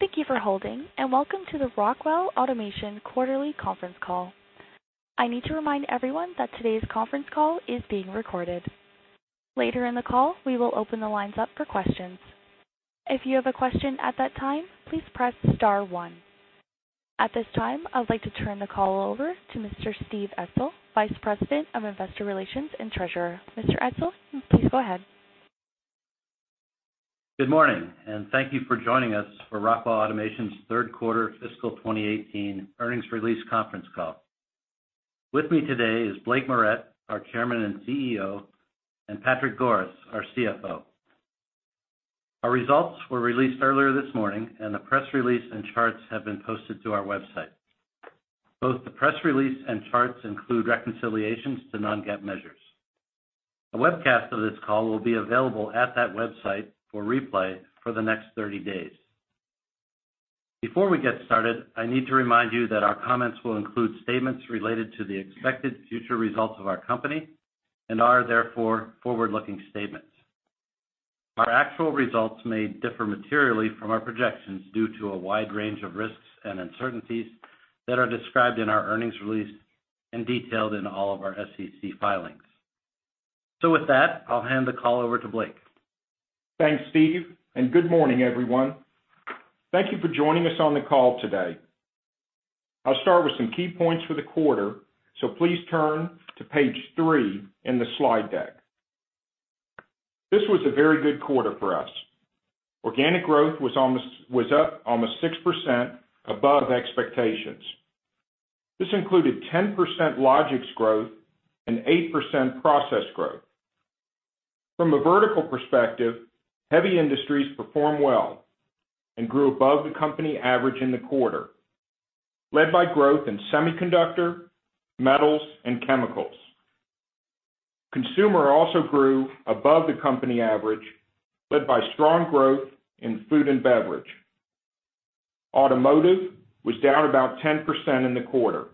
Thank you for holding, and welcome to the Rockwell Automation quarterly conference call. I need to remind everyone that today's conference call is being recorded. Later in the call, we will open the lines up for questions. If you have a question at that time, please press star one. At this time, I would like to turn the call over to Mr. Steve Etzel, Vice President of Investor Relations and Treasurer. Mr. Etzel, please go ahead. Good morning, and thank you for joining us for Rockwell Automation's third quarter fiscal 2018 earnings release conference call. With me today is Blake Moret, our Chairman and CEO, and Patrick Goris, our CFO. Our results were released earlier this morning, and the press release and charts have been posted to our website. Both the press release and charts include reconciliations to non-GAAP measures. A webcast of this call will be available at that website for replay for the next 30 days. Before we get started, I need to remind you that our comments will include statements related to the expected future results of our company and are, therefore, forward-looking statements. Our actual results may differ materially from our projections due to a wide range of risks and uncertainties that are described in our earnings release and detailed in all of our SEC filings. With that, I'll hand the call over to Blake. Thanks, Steve, and good morning, everyone. Thank you for joining us on the call today. I'll start with some key points for the quarter, so please turn to page three in the slide deck. This was a very good quarter for us. Organic growth was up almost 6% above expectations. This included 10% Logix growth and 8% process growth. From a vertical perspective, heavy industries performed well and grew above the company average in the quarter, led by growth in semiconductor, metals, and chemicals. Consumer also grew above the company average, led by strong growth in food and beverage. Automotive was down about 10% in the quarter.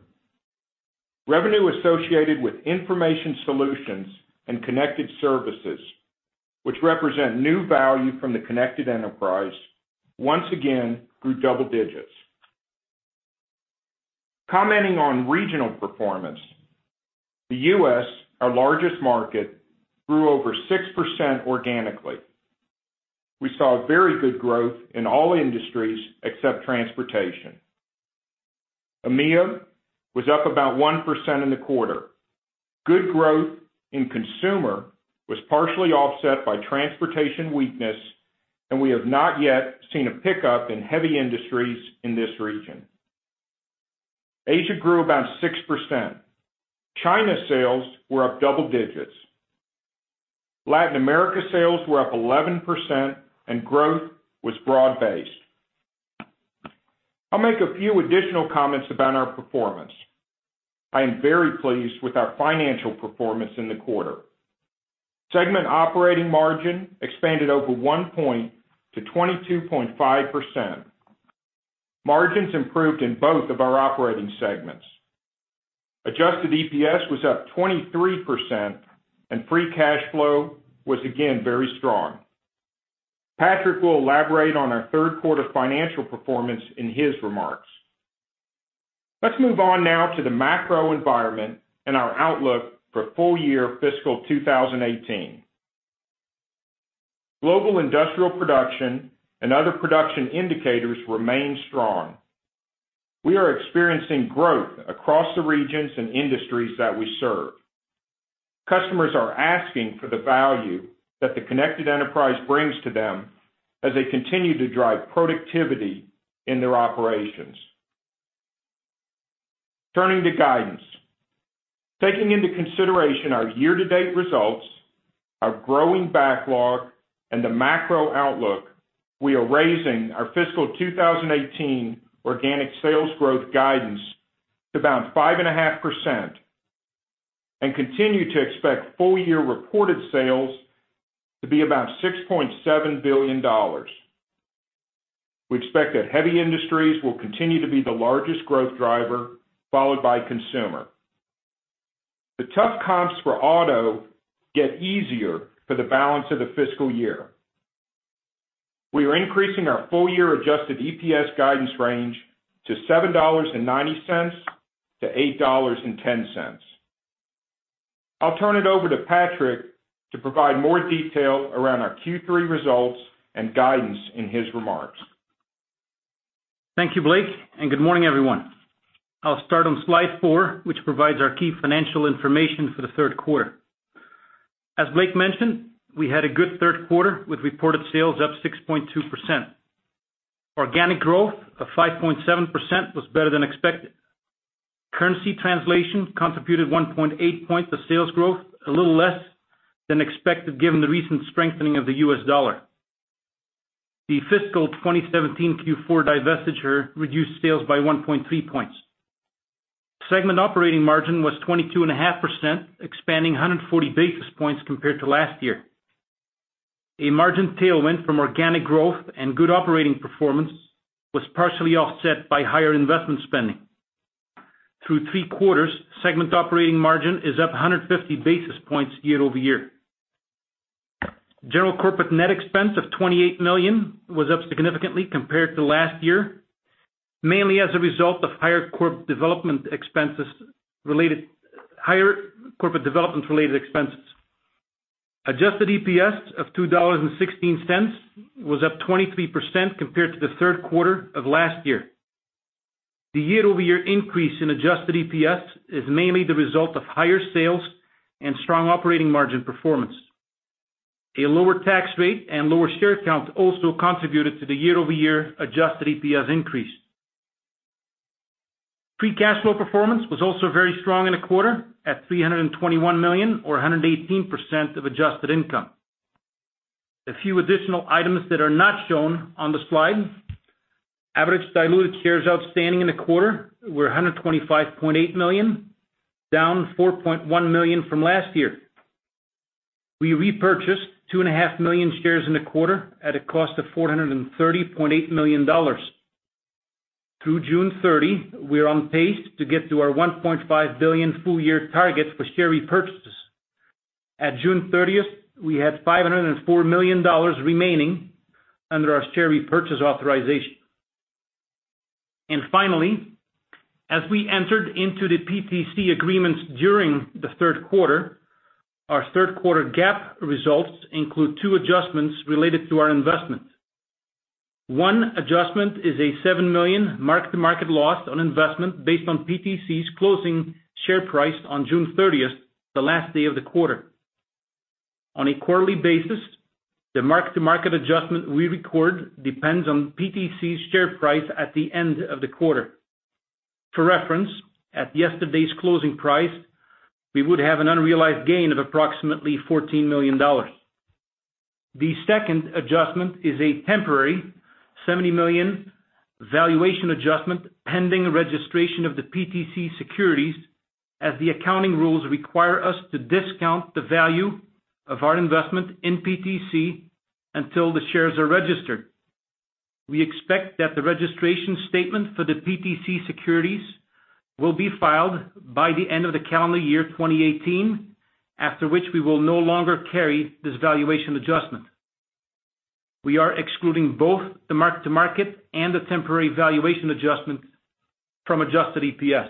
Revenue associated with Information Solutions and Connected Services, which represent new value from The Connected Enterprise, once again grew double digits. Commenting on regional performance, the U.S., our largest market, grew over 6% organically. We saw very good growth in all industries except transportation. EMEA was up about 1% in the quarter. Good growth in consumer was partially offset by transportation weakness, and we have not yet seen a pickup in heavy industries in this region. Asia grew about 6%. China sales were up double digits. Latin America sales were up 11%, and growth was broad-based. I'll make a few additional comments about our performance. I am very pleased with our financial performance in the quarter. Segment operating margin expanded over one point to 22.5%. Margins improved in both of our operating segments. Adjusted EPS was up 23%, and free cash flow was again very strong. Patrick will elaborate on our third quarter financial performance in his remarks. Let's move on now to the macro environment and our outlook for full year fiscal 2018. Global industrial production and other production indicators remain strong. We are experiencing growth across the regions and industries that we serve. Customers are asking for the value that The Connected Enterprise brings to them as they continue to drive productivity in their operations. Turning to guidance. Taking into consideration our year-to-date results, our growing backlog, and the macro outlook, we are raising our fiscal 2018 organic sales growth guidance to about 5.5% and continue to expect full year reported sales to be about $6.7 billion. We expect that heavy industries will continue to be the largest growth driver, followed by consumer. The tough comps for auto get easier for the balance of the fiscal year. We are increasing our full year adjusted EPS guidance range to $7.90 to $8.10. I'll turn it over to Patrick to provide more detail around our Q3 results and guidance in his remarks. Thank you, Blake, and good morning, everyone. I'll start on slide four, which provides our key financial information for the third quarter. As Blake mentioned, we had a good third quarter with reported sales up 6.2%. Organic growth of 5.7% was better than expected. Currency translation contributed 1.8 points to sales growth, a little less than expected given the recent strengthening of the U.S. dollar. The fiscal 2017 Q4 divestiture reduced sales by 1.3 points. Segment operating margin was 22.5%, expanding 140 basis points compared to last year. A margin tailwind from organic growth and good operating performance was partially offset by higher investment spending. Through three quarters, segment operating margin is up 150 basis points year-over-year. General corporate net expense of $28 million was up significantly compared to last year, mainly as a result of higher corporate development-related expenses. Adjusted EPS of $2.16 was up 23% compared to the third quarter of last year. The year-over-year increase in adjusted EPS is mainly the result of higher sales and strong operating margin performance. A lower tax rate and lower share count also contributed to the year-over-year adjusted EPS increase. Free cash flow performance was also very strong in the quarter at $321 million or 118% of adjusted income. A few additional items that are not shown on the slide. Average diluted shares outstanding in the quarter were 125.8 million, down 4.1 million from last year. We repurchased two and a half million shares in the quarter at a cost of $430.8 million. Through June 30, we are on pace to get to our $1.5 billion full-year target for share repurchases. At June 30th, we had $504 million remaining under our share repurchase authorization. Finally, as we entered into the PTC agreements during the third quarter, our third quarter GAAP results include two adjustments related to our investments. One adjustment is a $7 million mark-to-market loss on investment based on PTC's closing share price on June 30th, the last day of the quarter. On a quarterly basis, the mark-to-market adjustment we record depends on PTC's share price at the end of the quarter. For reference, at yesterday's closing price, we would have an unrealized gain of approximately $14 million. The second adjustment is a temporary $70 million valuation adjustment pending registration of the PTC securities, as the accounting rules require us to discount the value of our investment in PTC until the shares are registered. We expect that the registration statement for the PTC securities will be filed by the end of the calendar year 2018, after which we will no longer carry this valuation adjustment. We are excluding both the mark-to-market and the temporary valuation adjustment from adjusted EPS.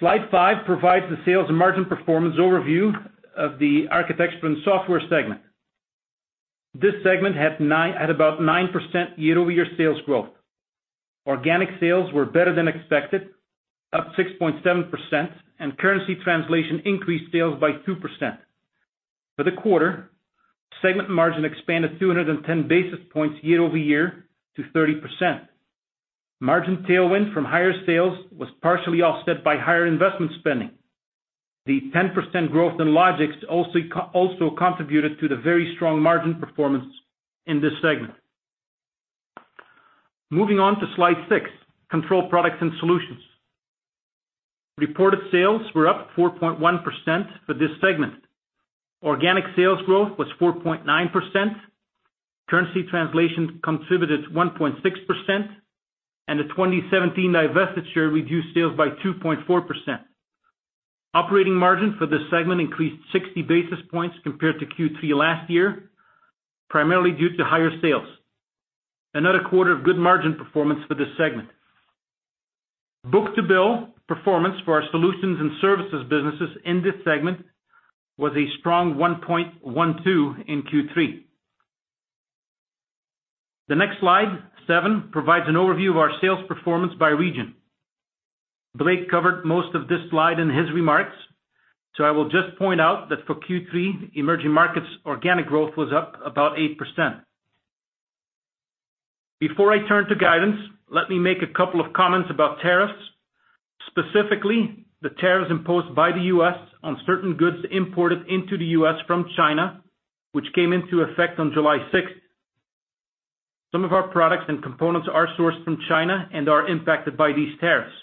Slide five provides the sales and margin performance overview of the Architecture & Software segment. This segment had about 9% year-over-year sales growth. Organic sales were better than expected, up 6.7%, and currency translation increased sales by 2%. For the quarter, segment margin expanded 210 basis points year-over-year to 30%. Margin tailwind from higher sales was partially offset by higher investment spending. The 10% growth in Logix also contributed to the very strong margin performance in this segment. Moving on to Slide six, Control Products & Solutions. Reported sales were up 4.1% for this segment. Organic sales growth was 4.9%. Currency translation contributed 1.6%, and the 2017 divestiture reduced sales by 2.4%. Operating margin for this segment increased 60 basis points compared to Q3 last year, primarily due to higher sales. Another quarter of good margin performance for this segment. Book-to-bill performance for our solutions and services businesses in this segment was a strong 1.12 in Q3. The next slide, seven, provides an overview of our sales performance by region. Blake covered most of this slide in his remarks, so I will just point out that for Q3, emerging markets organic growth was up about 8%. Before I turn to guidance, let me make a couple of comments about tariffs, specifically the tariffs imposed by the U.S. on certain goods imported into the U.S. from China, which came into effect on July 6th. Some of our products and components are sourced from China and are impacted by these tariffs.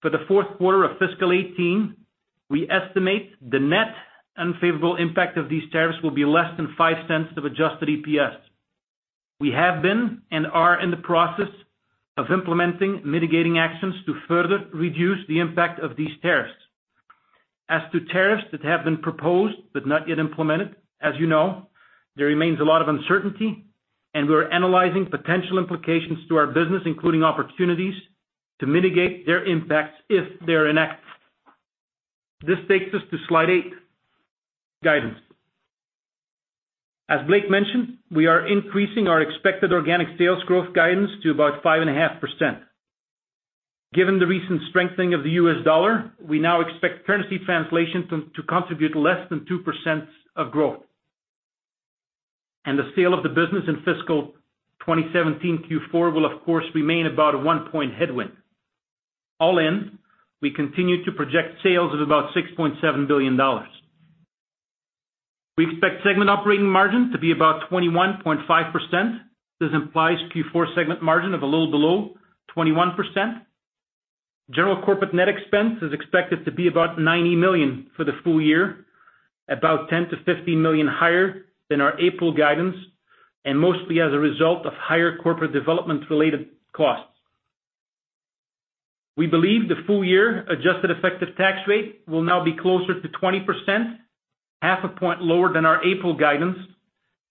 For the fourth quarter of fiscal 2018, we estimate the net unfavorable impact of these tariffs will be less than $0.05 of adjusted EPS. We have been and are in the process of implementing mitigating actions to further reduce the impact of these tariffs. As to tariffs that have been proposed but not yet implemented, as you know, there remains a lot of uncertainty, and we're analyzing potential implications to our business, including opportunities to mitigate their impacts if they're enacted. This takes us to Slide 8, Guidance. As Blake mentioned, we are increasing our expected organic sales growth guidance to about 5.5%. Given the recent strengthening of the U.S. dollar, we now expect currency translation to contribute less than 2% of growth. The sale of the business in fiscal 2017 Q4 will of course remain about a one-point headwind. All in, we continue to project sales of about $6.7 billion. We expect segment operating margin to be about 21.5%. This implies Q4 segment margin of a little below 21%. General corporate net expense is expected to be about $90 million for the full year, about $10 million-$15 million higher than our April guidance. Mostly as a result of higher corporate development-related costs, we believe the full year adjusted effective tax rate will now be closer to 20%, half a point lower than our April guidance.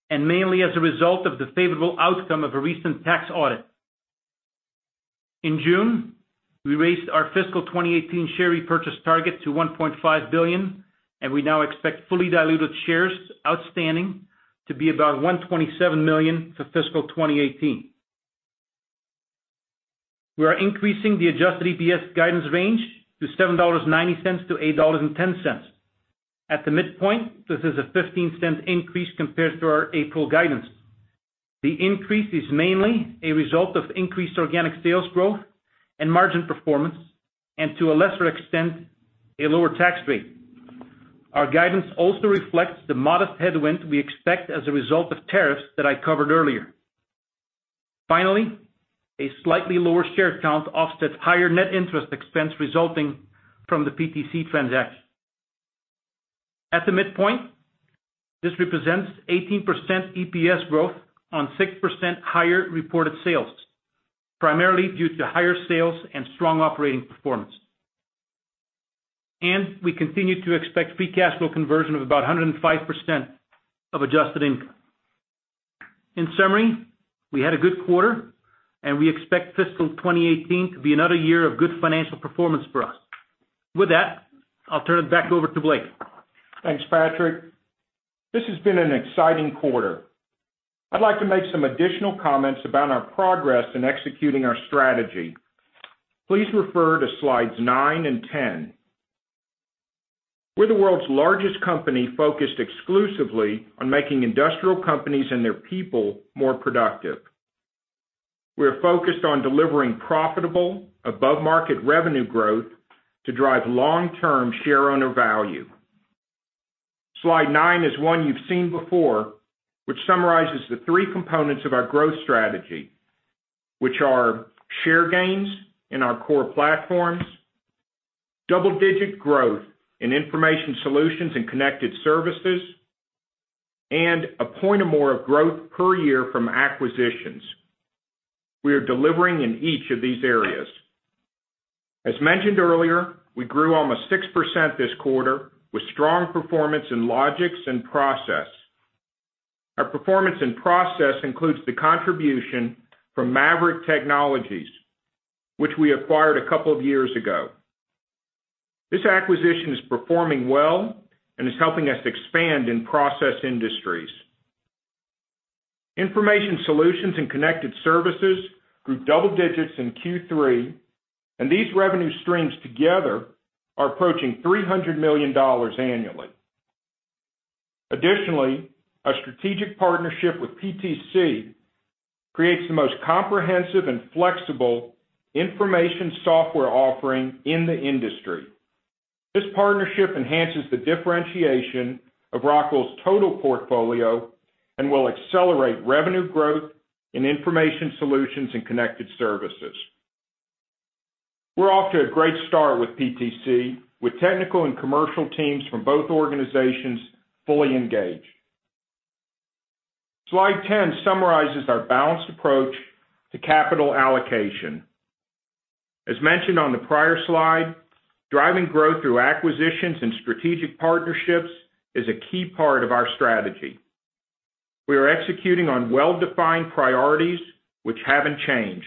Mainly as a result of the favorable outcome of a recent tax audit, in June, we raised our fiscal 2018 share repurchase target to $1.5 billion. We now expect fully diluted shares outstanding to be about 127 million for fiscal 2018. We are increasing the adjusted EPS guidance range to $7.90-$8.10. At the midpoint, this is a $0.15 increase compared to our April guidance. The increase is mainly a result of increased organic sales growth and margin performance. To a lesser extent, a lower tax rate, our guidance also reflects the modest headwind we expect as a result of tariffs that I covered earlier. Finally, a slightly lower share count offsets higher net interest expense resulting from the PTC transaction. At the midpoint, this represents 18% EPS growth on 6% higher reported sales, primarily due to higher sales and strong operating performance. We continue to expect free cash flow conversion of about 105% of adjusted income. In summary, we had a good quarter. We expect fiscal 2018 to be another year of good financial performance for us. With that, I'll turn it back over to Blake. Thanks, Patrick. This has been an exciting quarter. I'd like to make some additional comments about our progress in executing our strategy. Please refer to Slides nine and 10. We're the world's largest company focused exclusively on making industrial companies and their people more productive. We're focused on delivering profitable, above-market revenue growth to drive long-term shareowner value. Slide nine is one you've seen before, which summarizes the three components of our growth strategy, which are share gains in our core platforms, double-digit growth in Information Solutions and Connected Services, and a point or more of growth per year from acquisitions. We are delivering in each of these areas. As mentioned earlier, we grew almost 6% this quarter with strong performance in Logix and process. Our performance in process includes the contribution from MAVERICK Technologies, which we acquired a couple of years ago. This acquisition is performing well and is helping us expand in process industries. Information Solutions and Connected Services grew double digits in Q3, and these revenue streams together are approaching $300 million annually. Additionally, our strategic partnership with PTC creates the most comprehensive and flexible information software offering in the industry. This partnership enhances the differentiation of Rockwell's total portfolio and will accelerate revenue growth in Information Solutions and Connected Services. We're off to a great start with PTC, with technical and commercial teams from both organizations fully engaged. Slide 10 summarizes our balanced approach to capital allocation. As mentioned on the prior slide, driving growth through acquisitions and strategic partnerships is a key part of our strategy. We are executing on well-defined priorities, which haven't changed.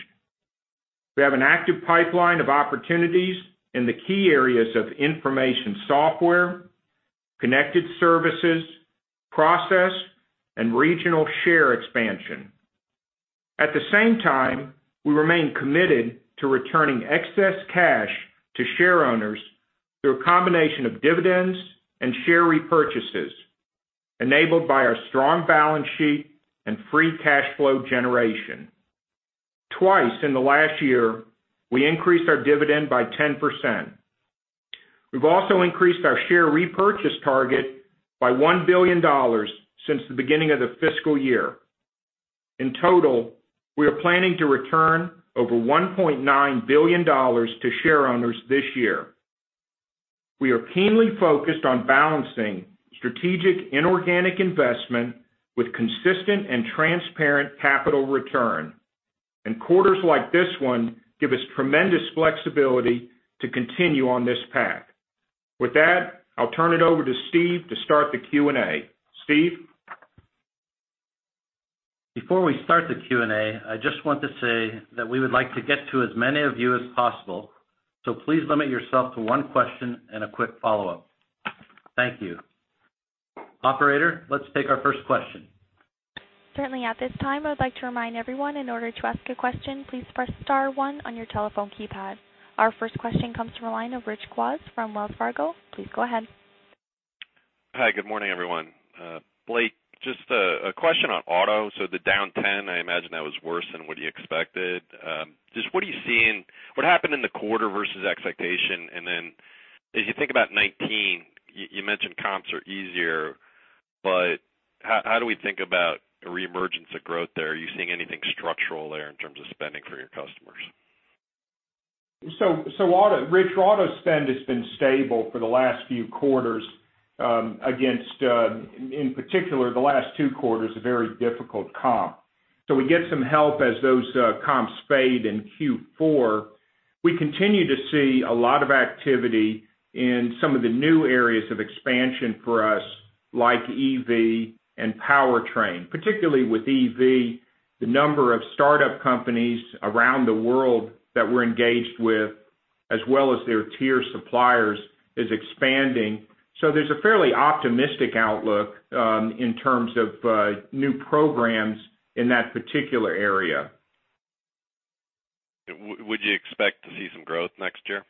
We have an active pipeline of opportunities in the key areas of information software, Connected Services, process, and regional share expansion. At the same time, we remain committed to returning excess cash to shareowners through a combination of dividends and share repurchases, enabled by our strong balance sheet and free cash flow generation. Twice in the last year, we increased our dividend by 10%. We've also increased our share repurchase target by $1 billion since the beginning of the fiscal year. In total, we are planning to return over $1.9 billion to shareowners this year. We are keenly focused on balancing strategic inorganic investment with consistent and transparent capital return, and quarters like this one give us tremendous flexibility to continue on this path. With that, I'll turn it over to Steve to start the Q&A. Steve? Before we start the Q&A, I just want to say that we would like to get to as many of you as possible, so please limit yourself to one question and a quick follow-up. Thank you. Operator, let's take our first question. Certainly. At this time, I would like to remind everyone, in order to ask a question, please press star one on your telephone keypad. Our first question comes from the line of Rich Kwas from Wells Fargo. Please go ahead. Hi. Good morning, everyone. Blake, just a question on auto. The down 10%, I imagine that was worse than what you expected. What are you seeing, what happened in the quarter versus expectation? As you think about 2019, you mentioned comps are easier, but how do we think about a reemergence of growth there? Are you seeing anything structural there in terms of spending for your customers? Rich, auto spend has been stable for the last few quarters against, in particular, the last two quarters, a very difficult comp. We get some help as those comps fade in Q4. We continue to see a lot of activity in some of the new areas of expansion for us, like EV and powertrain. Particularly with EV, the number of startup companies around the world that we're engaged with, as well as their tier suppliers, is expanding. There's a fairly optimistic outlook in terms of new programs in that particular area. Would you expect to see some growth next year?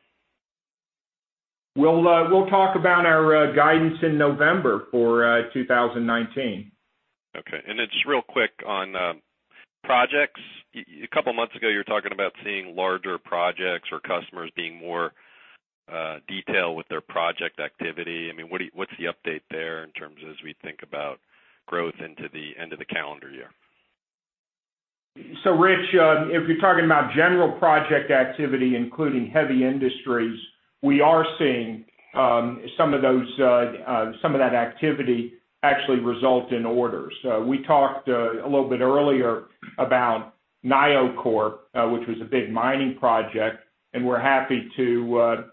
We'll talk about our guidance in November for 2019. Okay. Just real quick on projects. A couple of months ago, you were talking about seeing larger projects or customers being more detailed with their project activity. What's the update there in terms of as we think about growth into the end of the calendar year? Rich, if you're talking about general project activity, including heavy industries, we are seeing some of that activity actually result in orders. We talked a little bit earlier about Nucor, which was a big mining project, and we're happy to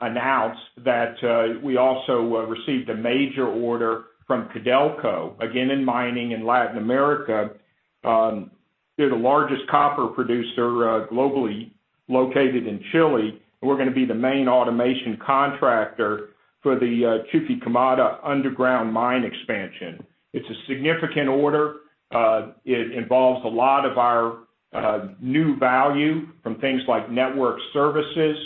announce that we also received a major order from Codelco, again in mining in Latin America. They're the largest copper producer globally, located in Chile, and we're going to be the main automation contractor for the Chuquicamata underground mine expansion. It's a significant order. It involves a lot of our new value from things like network services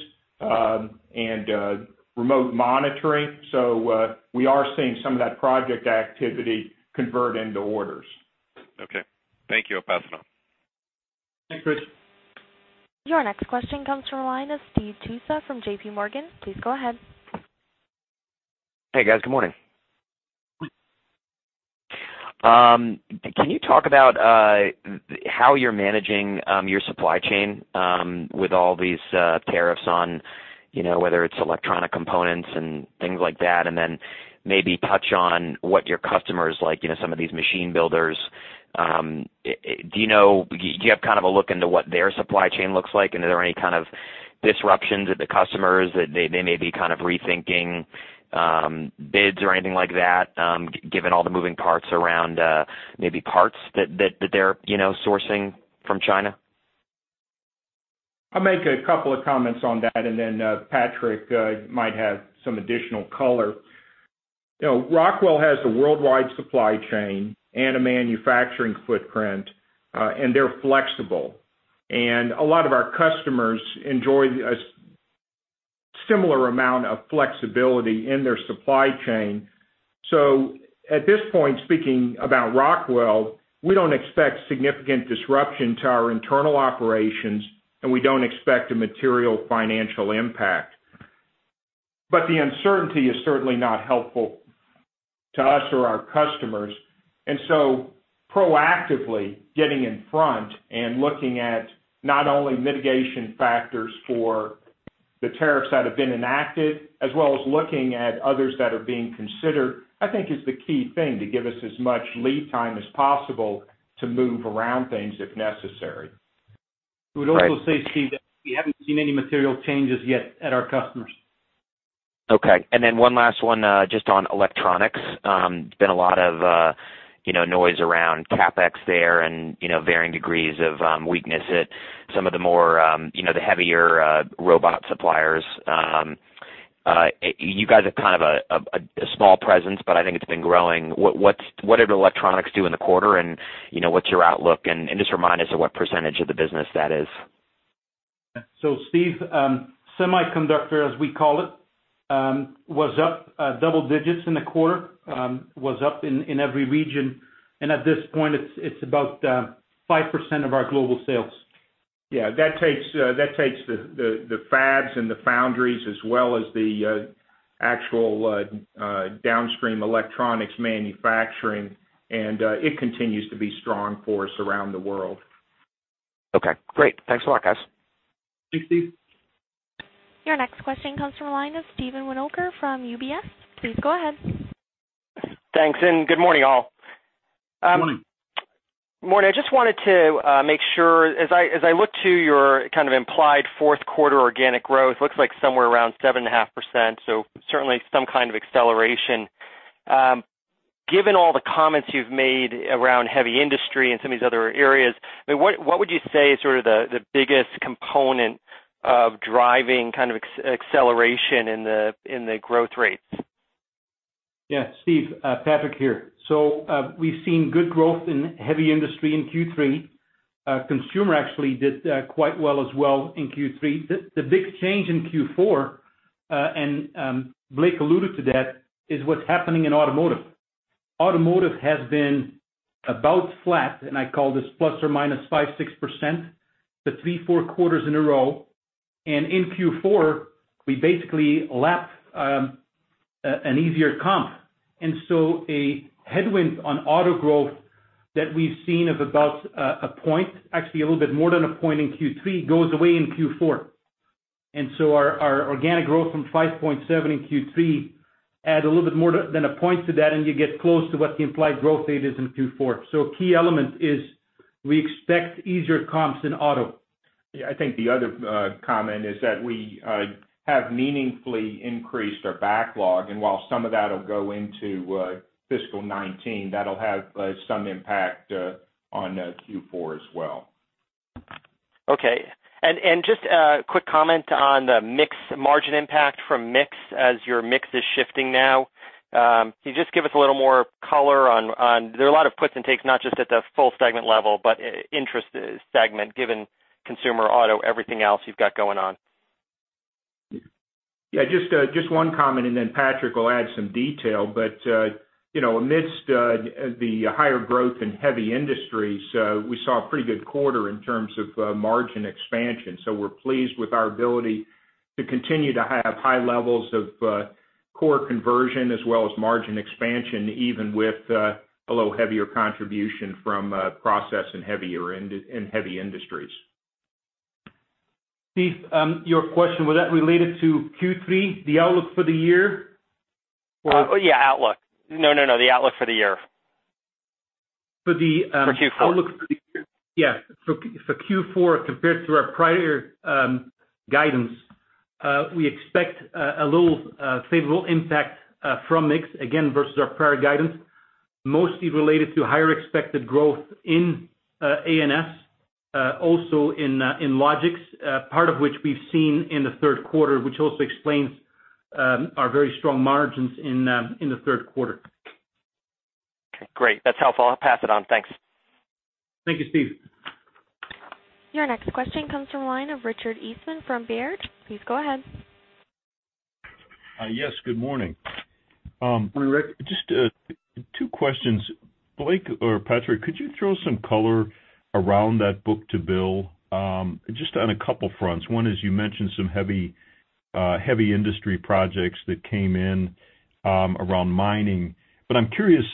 and remote monitoring. We are seeing some of that project activity convert into orders. Okay. Thank you. I'll pass it on. Thanks, Rich. Your next question comes from the line of Steve Tusa from J.P. Morgan. Please go ahead. Hey, guys. Good morning. Can you talk about how you're managing your supply chain with all these tariffs on, whether it's electronic components and things like that, and then maybe touch on what your customers like, some of these machine builders. Do you have a look into what their supply chain looks like? Are there any kind of disruptions at the customers that they may be rethinking bids or anything like that, given all the moving parts around maybe parts that they're sourcing from China? I'll make a couple of comments on that, and then Patrick might have some additional color. Rockwell has a worldwide supply chain and a manufacturing footprint, and they're flexible. A lot of our customers enjoy a similar amount of flexibility in their supply chain. At this point, speaking about Rockwell, we don't expect significant disruption to our internal operations, and we don't expect a material financial impact. The uncertainty is certainly not helpful to us or our customers. Proactively getting in front and looking at not only mitigation factors for the tariffs that have been enacted, as well as looking at others that are being considered, I think is the key thing to give us as much lead time as possible to move around things if necessary. I would also say, Steve, that we haven't seen any material changes yet at our customers. Okay. One last one just on electronics. There's been a lot of noise around CapEx there and varying degrees of weakness at some of the heavier robot suppliers. You guys have kind of a small presence, but I think it's been growing. What did electronics do in the quarter, and what's your outlook, and just remind us of what percentage of the business that is. Steve, semiconductor, as we call it, was up double digits in the quarter, was up in every region. At this point, it's about 5% of our global sales. Yeah, that takes the fabs and the foundries, as well as the actual downstream electronics manufacturing, it continues to be strong for us around the world. Okay, great. Thanks a lot, guys. Thanks, Steve. Your next question comes from the line of Steven Winoker from UBS. Please go ahead. Thanks, good morning, all. Morning. Morning. I just wanted to make sure, as I look to your kind of implied fourth quarter organic growth, looks like somewhere around 7.5%. Certainly some kind of acceleration. Given all the comments you've made around heavy industry and some of these other areas, what would you say is sort of the biggest component of driving kind of acceleration in the growth rates? Yeah. Steve, Patrick here. We've seen good growth in heavy industry in Q3. Consumer actually did quite well as well in Q3. The big change in Q4, Blake alluded to that, is what's happening in automotive. Automotive has been about flat, I call this ±5%, 6%, for three, four quarters in a row. In Q4, we basically lapped an easier comp. A headwind on auto growth that we've seen of about a point, actually a little bit more than a point in Q3, goes away in Q4. Our organic growth from 5.7% in Q3 add a little bit more than a point to that, and you get close to what the implied growth rate is in Q4. Key element is we expect easier comps in auto. Yeah, I think the other comment is that we have meaningfully increased our backlog, while some of that'll go into fiscal 2019, that'll have some impact on Q4 as well. Okay. Just a quick comment on the mix margin impact from mix as your mix is shifting now. Can you just give us a little more color on? There are a lot of puts and takes, not just at the full segment level, but inter-segment given consumer auto, everything else you've got going on. Yeah, just one comment and then Patrick will add some detail. Amidst the higher growth in heavy industries, we saw a pretty good quarter in terms of margin expansion. We're pleased with our ability to continue to have high levels of core conversion as well as margin expansion, even with a little heavier contribution from process and heavy industries. Steve, your question, was that related to Q3, the outlook for the year? Yeah, outlook. No. The outlook for the year. For the For Q4. outlook for the year. Yeah. For Q4 compared to our prior guidance, we expect a little favorable impact from mix, again, versus our prior guidance, mostly related to higher expected growth in A&S, also in Logix, part of which we've seen in the third quarter, which also explains our very strong margins in the third quarter. Okay, great. That's helpful. I'll pass it on. Thanks. Thank you, Steve. Your next question comes from the line of Richard Eastman from Baird. Please go ahead. Yes, good morning. Morning, Richard. Just two questions. Blake or Patrick, could you throw some color around that book-to-bill? Just on a couple fronts. One is you mentioned some heavy industry projects that came in around mining. I'm curious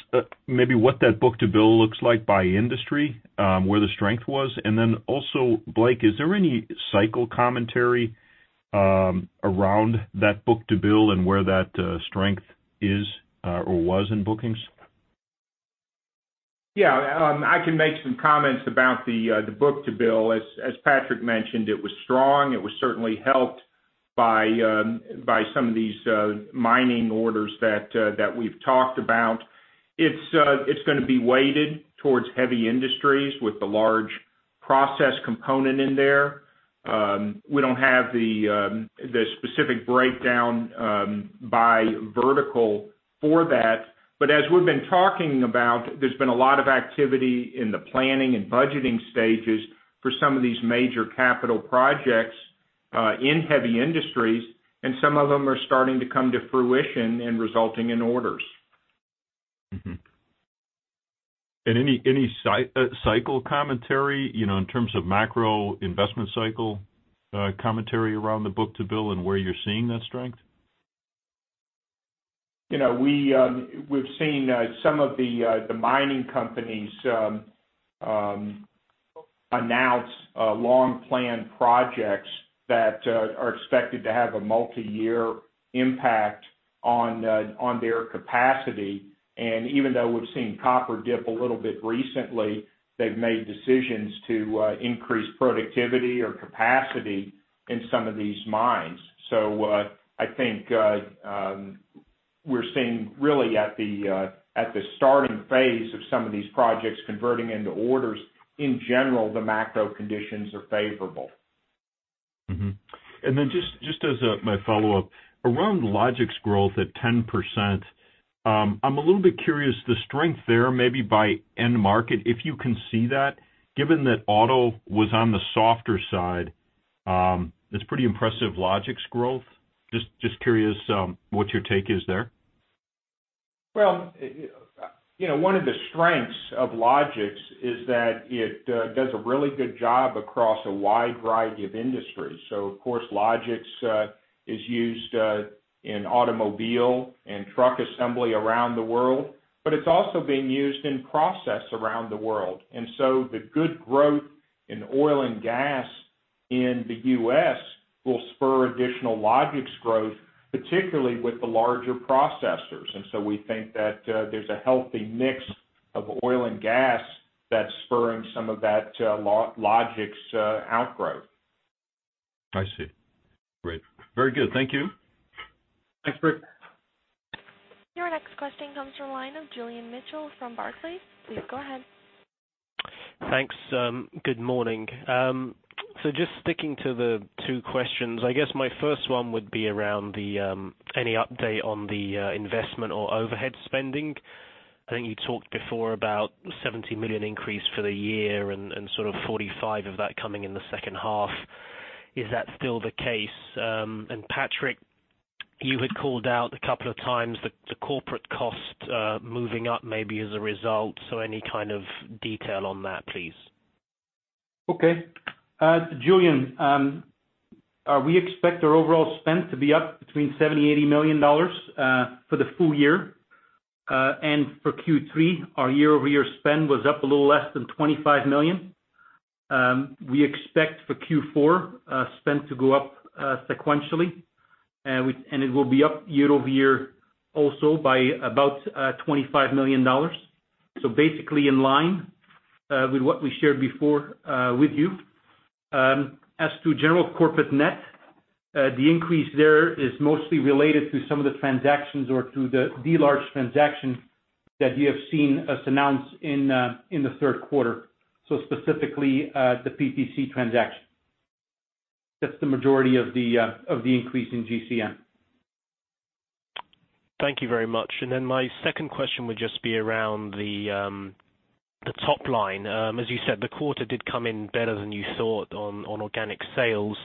maybe what that book-to-bill looks like by industry, where the strength was. Also, Blake, is there any cycle commentary around that book-to-bill and where that strength is or was in bookings? Yeah. I can make some comments about the book-to-bill. As Patrick mentioned, it was strong. It was certainly helped by some of these mining orders that we've talked about. It's going to be weighted towards heavy industries with the large process component in there. We don't have the specific breakdown by vertical for that. As we've been talking about, there's been a lot of activity in the planning and budgeting stages for some of these major capital projects in heavy industries, and some of them are starting to come to fruition and resulting in orders. Mm-hmm. Any cycle commentary, in terms of macro investment cycle commentary around the book-to-bill and where you're seeing that strength? We've seen some of the mining companies announce long-planned projects that are expected to have a multiyear impact on their capacity. Even though we've seen copper dip a little bit recently, they've made decisions to increase productivity or capacity in some of these mines. I think we're seeing really at the starting phase of some of these projects converting into orders. In general, the macro conditions are favorable. Mm-hmm. Just as my follow-up, around Logix growth at 10%, I'm a little bit curious, the strength there, maybe by end market, if you can see that, given that auto was on the softer side, it's pretty impressive Logix growth. Just curious what your take is there. Well, one of the strengths of Logix is that it does a really good job across a wide variety of industries. Of course, Logix is used in automobile and truck assembly around the world, but it's also being used in process around the world. The good growth in oil and gas in the U.S. will spur additional Logix growth, particularly with the larger processors. We think that there's a healthy mix of oil and gas that's spurring some of that Logix outgrowth. I see. Great. Very good. Thank you. Thanks, Rich. Your next question comes from the line of Julian Mitchell from Barclays. Please go ahead. Thanks. Good morning. Just sticking to the two questions, I guess my first one would be around any update on the investment or overhead spending. I think you talked before about $70 million increase for the year and sort of $45 million of that coming in the second half. Is that still the case? Patrick, you had called out a couple of times the corporate cost moving up maybe as a result. Any kind of detail on that, please? Julian, we expect our overall spend to be up between $70 million and $80 million for the full year. For Q3, our year-over-year spend was up a little less than $25 million. We expect for Q4 spend to go up sequentially, it will be up year-over-year also by about $25 million. Basically in line with what we shared before with you. As to general corporate net, the increase there is mostly related to some of the transactions or to the large transaction that you have seen us announce in the third quarter. Specifically, the PTC transaction. That's the majority of the increase in GCN. Thank you very much. My second question would just be around the top line. As you said, the quarter did come in better than you thought on organic sales.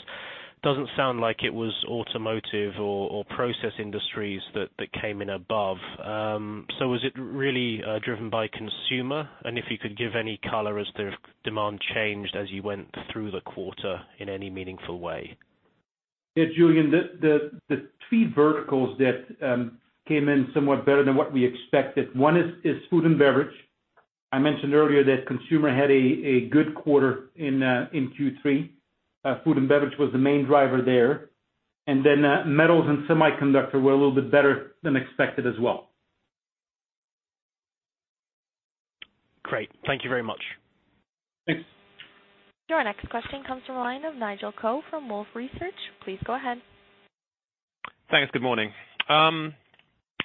Doesn't sound like it was automotive or process industries that came in above. Was it really driven by consumer? If you could give any color as to if demand changed as you went through the quarter in any meaningful way. Yeah, Julian, the three verticals that came in somewhat better than what we expected. One is food and beverage. I mentioned earlier that consumer had a good quarter in Q3. Food and beverage was the main driver there. Metals and semiconductor were a little bit better than expected as well. Great. Thank you very much. Thanks. Your next question comes from the line of Nigel Coe from Wolfe Research. Please go ahead. Thanks. Good morning. I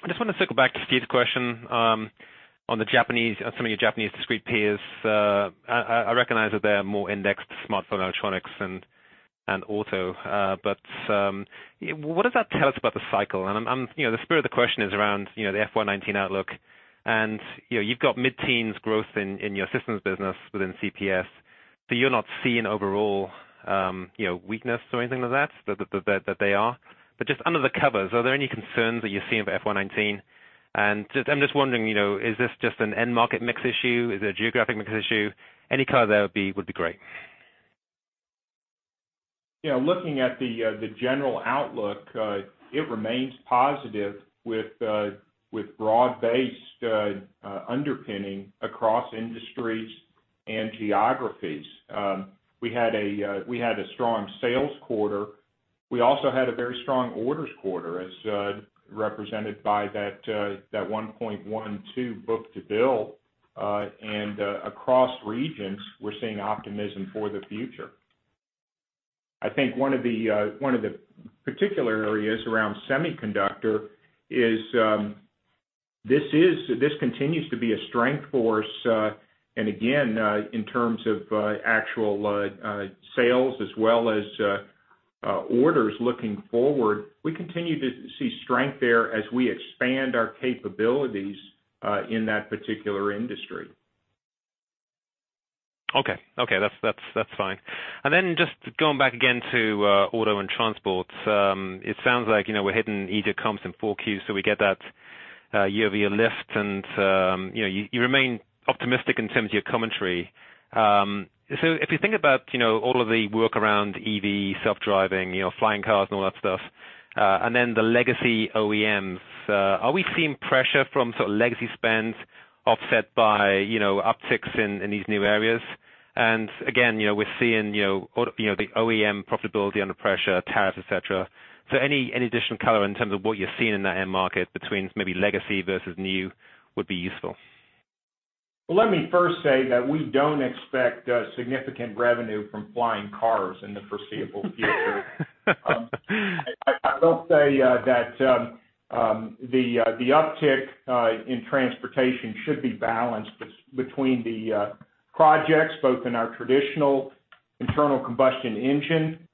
just want to circle back to Steve's question on some of your Japanese discrete peers. I recognize that they're more indexed to smartphone, electronics, and auto. What does that tell us about the cycle? The spirit of the question is around the FY 2019 outlook. You've got mid-teens growth in your systems business within CPS, so you're not seeing overall weakness or anything like that they are. Just under the covers, are there any concerns that you're seeing for FY 2019? I'm just wondering, is this just an end market mix issue? Is it a geographic mix issue? Any color there would be great. Looking at the general outlook, it remains positive with broad-based underpinning across industries and geographies. We had a strong sales quarter. We also had a very strong orders quarter, as represented by that 1.12 book-to-bill. Across regions, we're seeing optimism for the future. I think one of the particular areas around semiconductor is this continues to be a strength for us. Again, in terms of actual sales as well as orders looking forward, we continue to see strength there as we expand our capabilities in that particular industry. Okay. That's fine. Just going back again to auto and transport. It sounds like we're hitting easier comps in four Qs, so we get that year-over-year lift and you remain optimistic in terms of your commentary. If you think about all of the work around EV, self-driving, flying cars, and all that stuff, then the legacy OEMs, are we seeing pressure from sort of legacy spend offset by upticks in these new areas? Again, we're seeing the OEM profitability under pressure, tariffs, et cetera. Any additional color in terms of what you're seeing in that end market between maybe legacy versus new would be useful. Let me first say that we don't expect significant revenue from flying cars in the foreseeable future. I will say that the uptick in transportation should be balanced between the projects, both in our traditional internal combustion engine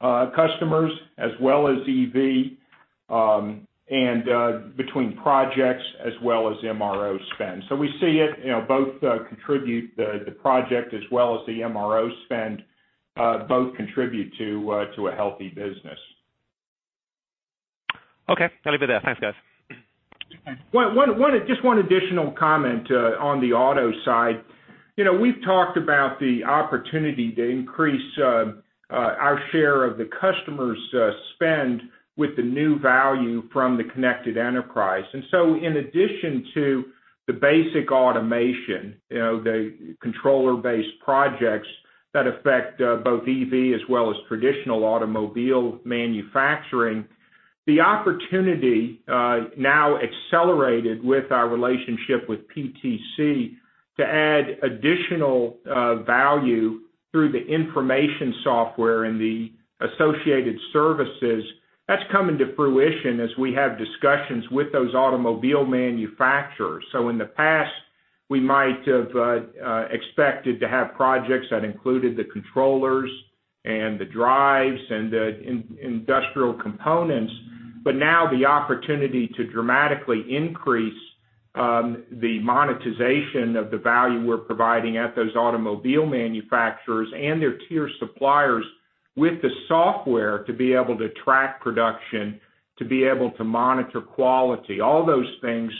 customers, as well as EV, and between projects as well as MRO spend. We see it, both contribute the project as well as the MRO spend, both contribute to a healthy business. Okay. I'll leave it there. Thanks, guys. Just one additional comment on the auto side. We've talked about the opportunity to increase our share of the customers' spend with the new value from The Connected Enterprise. In addition to the basic automation, the controller-based projects that affect both EV as well as traditional automobile manufacturing, the opportunity now accelerated with our relationship with PTC to add additional value through the information software and the associated services. That's coming to fruition as we have discussions with those automobile manufacturers. In the past, we might have expected to have projects that included the controllers and the drives and the industrial components. Now the opportunity to dramatically increase the monetization of the value we're providing at those automobile manufacturers and their tier suppliers with the software to be able to track production, to be able to monitor quality, all those things,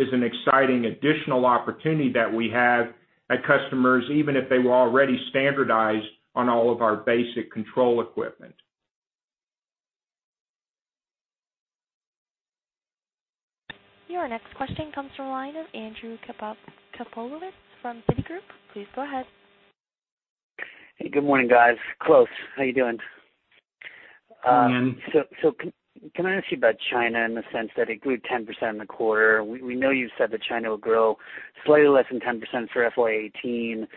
is an exciting additional opportunity that we have at customers, even if they were already standardized on all of our basic control equipment. Your next question comes from the line of Andrew Kaplowitz from Citigroup. Please go ahead. Hey, good morning, guys. Close, how are you doing? Good morning. Can I ask you about China in the sense that it grew 10% in the quarter? We know you've said that China will grow slightly less than 10% for FY 2018.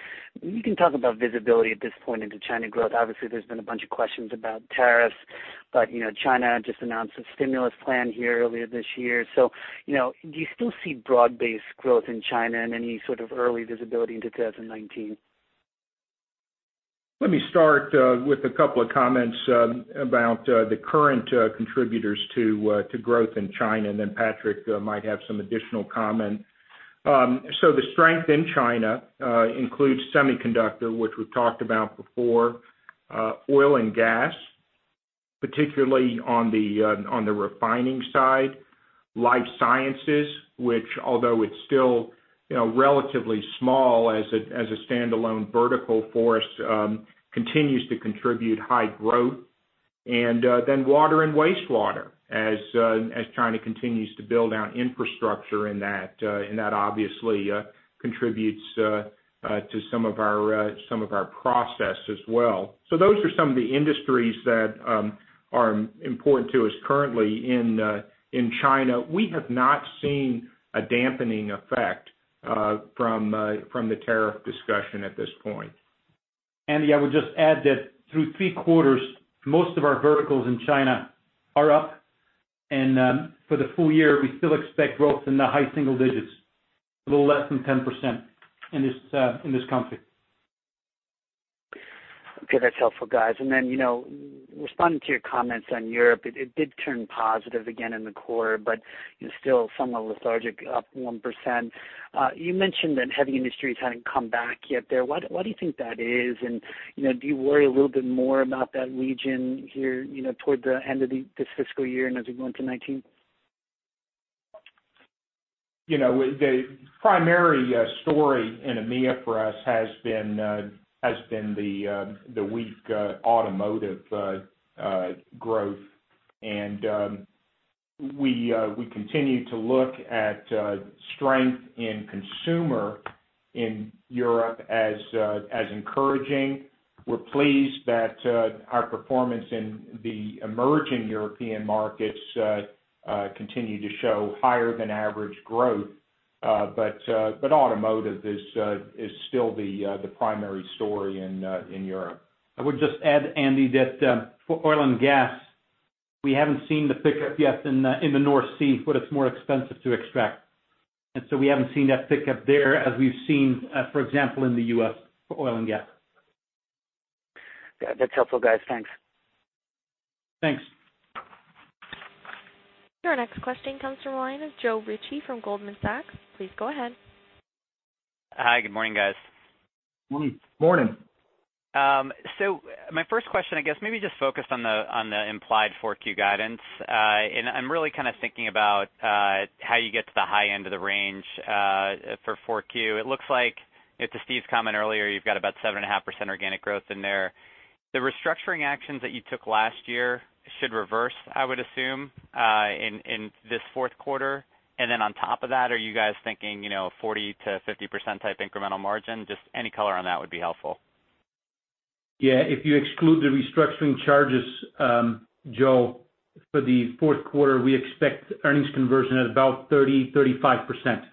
You can talk about visibility at this point into China growth. Obviously, there's been a bunch of questions about tariffs, but China just announced a stimulus plan here earlier this year. Do you still see broad-based growth in China and any sort of early visibility into 2019? Let me start with a couple of comments about the current contributors to growth in China, then Patrick Goris might have some additional comment. The strength in China includes semiconductor, which we've talked about before, oil and gas, particularly on the refining side, life sciences, which although it's still relatively small as a standalone vertical for us, continues to contribute high growth. Water and wastewater, as China continues to build out infrastructure, and that obviously contributes to some of our process as well. Those are some of the industries that are important to us currently in China. We have not seen a dampening effect from the tariff discussion at this point. Andrew, I would just add that through 3 quarters, most of our verticals in China are up. For the full year, we still expect growth in the high single digits, a little less than 10% in this country. Okay. That's helpful, guys. Responding to your comments on Europe, it did turn positive again in the quarter, still somewhat lethargic, up 1%. You mentioned that heavy industries hadn't come back yet there. Why do you think that is? Do you worry a little bit more about that region here toward the end of this fiscal year and as we go into 2019? The primary story in EMEA for us has been the weak automotive growth. We continue to look at strength in consumer in Europe as encouraging. We're pleased that our performance in the emerging European markets continue to show higher than average growth. Automotive is still the primary story in Europe. I would just add, Andy, that for oil and gas, we haven't seen the pickup yet in the North Sea, but it's more expensive to extract. We haven't seen that pickup there as we've seen, for example, in the U.S. for oil and gas. That's helpful, guys. Thanks. Thanks. Your next question comes from the line of Joe Ritchie from Goldman Sachs. Please go ahead. Hi. Good morning, guys. Morning. Morning. My first question, I guess, maybe just focused on the implied four Q guidance. I'm really kind of thinking about how you get to the high end of the range for four Q. It looks like to Steve's comment earlier, you've got about 7.5% organic growth in there. The restructuring actions that you took last year should reverse, I would assume, in this fourth quarter. Then on top of that, are you guys thinking 40%-50% type incremental margin? Just any color on that would be helpful. Yeah. If you exclude the restructuring charges, Joe, for the fourth quarter, we expect earnings conversion at about 30%, 35%.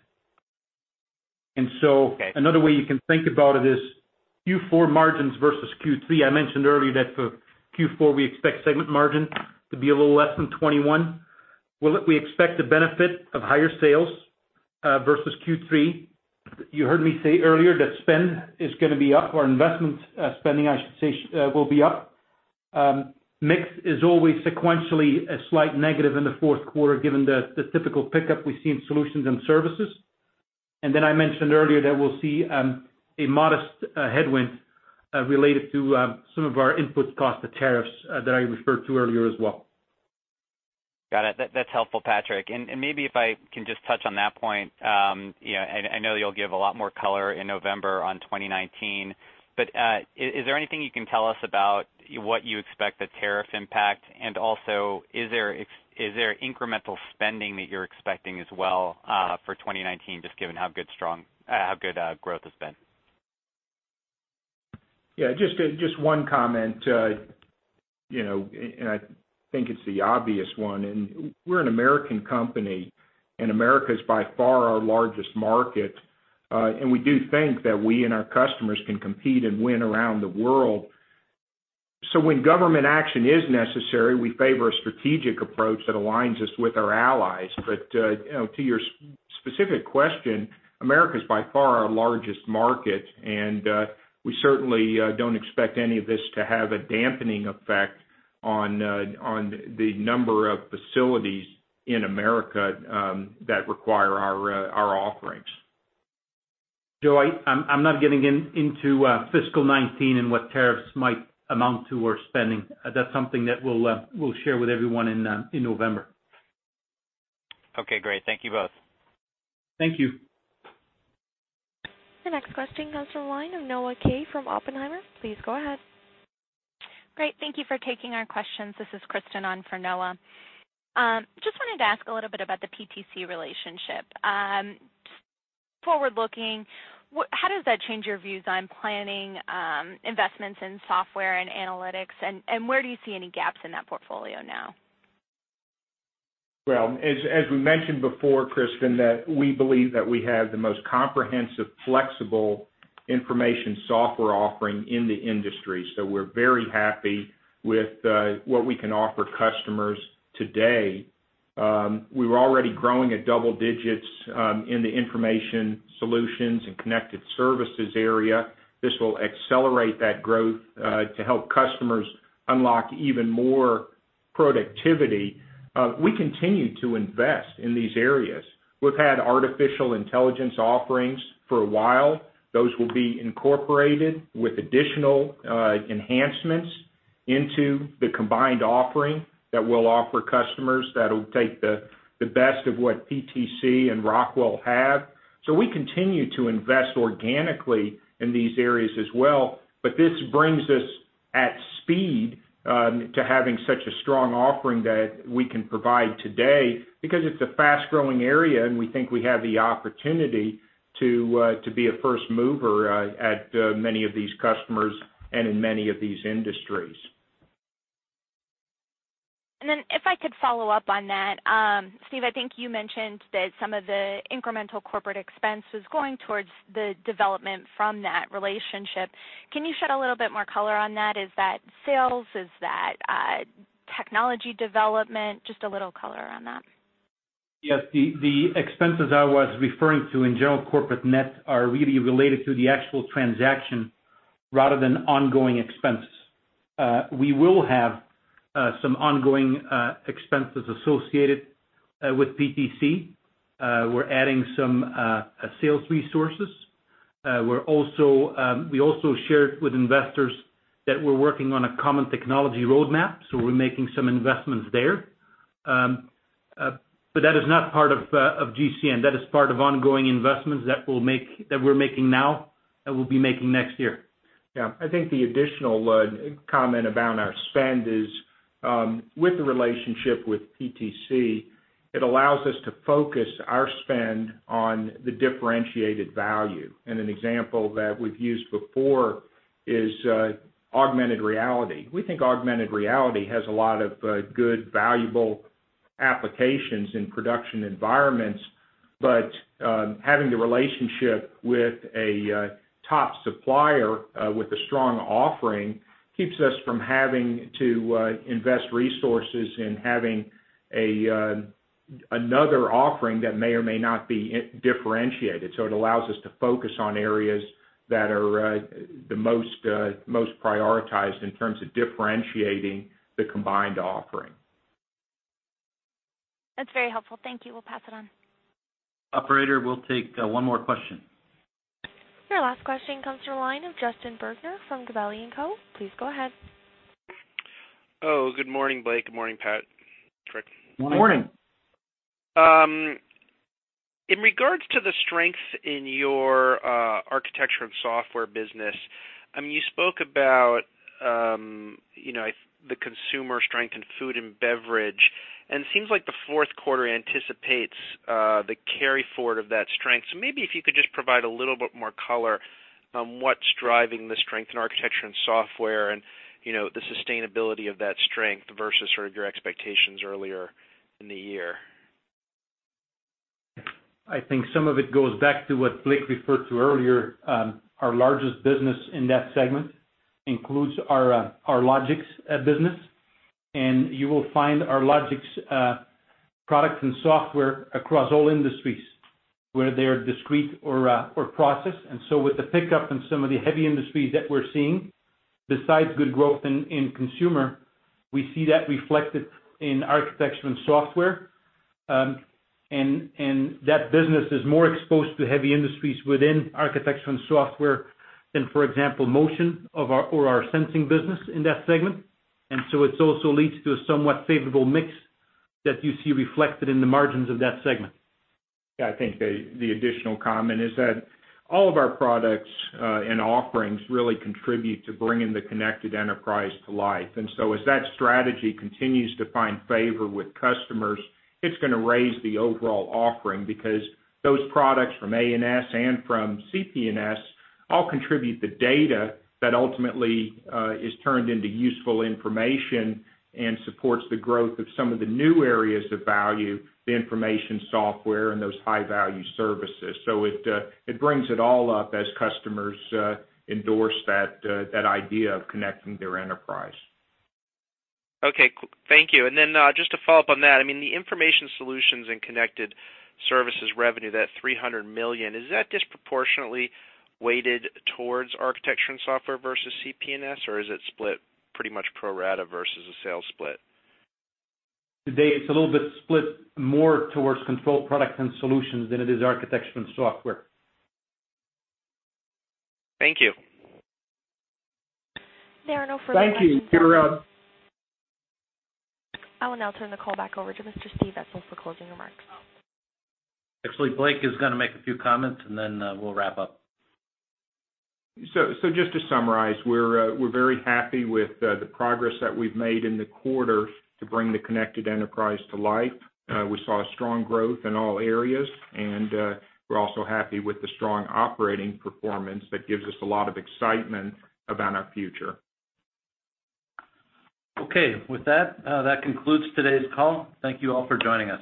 Okay. Another way you can think about it is Q4 margins versus Q3. I mentioned earlier that for Q4, we expect segment margin to be a little less than 21%. We expect the benefit of higher sales versus Q3. You heard me say earlier that spend is going to be up, or investment spending, I should say, will be up. Mix is always sequentially a slight negative in the fourth quarter given the typical pickup we see in solutions and services. Then I mentioned earlier that we'll see a modest headwind related to some of our input costs to tariffs that I referred to earlier as well. Got it. That's helpful, Patrick. Maybe if I can just touch on that point, I know you'll give a lot more color in November on 2019, but is there anything you can tell us about what you expect the tariff impact? Also, is there incremental spending that you're expecting as well for 2019, just given how good growth has been? Yeah, just one comment, I think it's the obvious one. We're an American company, and America is by far our largest market. We do think that we and our customers can compete and win around the world. When government action is necessary, we favor a strategic approach that aligns us with our allies. To your specific question, America is by far our largest market, and we certainly don't expect any of this to have a dampening effect on the number of facilities in America that require our offerings. Joe, I'm not getting into fiscal 2019 and what tariffs might amount to or spending. That's something that we'll share with everyone in November. Okay, great. Thank you both. Thank you. The next question comes from the line of Noah Kaye from Oppenheimer. Please go ahead. Great. Thank you for taking our questions. This is Kristen on for Noah. Wanted to ask a little bit about the PTC relationship. Forward-looking, how does that change your views on planning investments in software and analytics, and where do you see any gaps in that portfolio now? Well, as we mentioned before, Kristen, that we believe that we have the most comprehensive, flexible Information Solutions and Connected Services offering in the industry. We're very happy with what we can offer customers today. We were already growing at double digits in the Information Solutions and Connected Services area. This will accelerate that growth to help customers unlock even more productivity. We continue to invest in these areas. We've had artificial intelligence offerings for a while. Those will be incorporated with additional enhancements into the combined offering that we'll offer customers that'll take the best of what PTC and Rockwell have. We continue to invest organically in these areas as well. This brings us at speed to having such a strong offering that we can provide today, because it's a fast-growing area, and we think we have the opportunity to be a first mover at many of these customers and in many of these industries. If I could follow up on that. Steve, I think you mentioned that some of the incremental corporate expense was going towards the development from that relationship. Can you shed a little bit more color on that? Is that sales? Is that technology development? Just a little color on that. Yes. The expenses I was referring to in General Corporate Net are really related to the actual transaction rather than ongoing expenses. We will have some ongoing expenses associated with PTC. We're adding some sales resources. We also shared with investors that we're working on a common technology roadmap, we're making some investments there. That is not part of GCN. That is part of ongoing investments that we're making now, that we'll be making next year. Yeah. I think the additional comment about our spend is, with the relationship with PTC, it allows us to focus our spend on the differentiated value. An example that we've used before is augmented reality. We think augmented reality has a lot of good, valuable applications in production environments. Having the relationship with a top supplier with a strong offering keeps us from having to invest resources in having another offering that may or may not be differentiated. It allows us to focus on areas that are the most prioritized in terms of differentiating the combined offering. That's very helpful. Thank you. We'll pass it on. Operator, we'll take one more question. Your last question comes from the line of Justin Bergner from Gabelli & Co. Please go ahead. Oh, good morning, Blake. Good morning, Patrick. Morning. Morning. In regards to the strength in your Architecture & Software business, you spoke about the consumer strength in food and beverage, and it seems like the fourth quarter anticipates the carry forward of that strength. Maybe if you could just provide a little bit more color on what's driving the strength in Architecture & Software and the sustainability of that strength versus your expectations earlier in the year. I think some of it goes back to what Blake referred to earlier. Our largest business in that segment includes our Logix business, and you will find our Logix products and software across all industries, where they are discrete or process. With the pickup in some of the heavy industries that we're seeing, besides good growth in consumer, we see that reflected in Architecture & Software. That business is more exposed to heavy industries within Architecture & Software than, for example, motion or our sensing business in that segment. It also leads to a somewhat favorable mix that you see reflected in the margins of that segment. Yeah, I think the additional comment is that all of our products and offerings really contribute to bringing The Connected Enterprise to life. As that strategy continues to find favor with customers, it's going to raise the overall offering because those products from A&S and from CP&S all contribute the data that ultimately is turned into useful information and supports the growth of some of the new areas of value, the Information Solutions and Connected Services and those high-value services. It brings it all up as customers endorse that idea of connecting their enterprise. Okay, thank you. Then just to follow up on that, the Information Solutions and Connected Services revenue, that $300 million, is that disproportionately weighted towards Architecture & Software versus CP&S, or is it split pretty much pro rata versus a sales split? Today, it's a little bit split more towards Control Products & Solutions than it is Architecture & Software. Thank you. There are no further questions. Thank you. Thank you. I will now turn the call back over to Mr. Steve Etzel for closing remarks. Actually, Blake is going to make a few comments, then we'll wrap up. Just to summarize, we're very happy with the progress that we've made in the quarter to bring The Connected Enterprise to life. We saw strong growth in all areas, we're also happy with the strong operating performance that gives us a lot of excitement about our future. Okay, with that concludes today's call. Thank you all for joining us.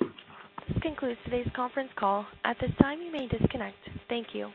This concludes today's conference call. At this time, you may disconnect. Thank you.